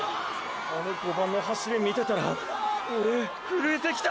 あの５番の走り見てたらオレふるえてきた！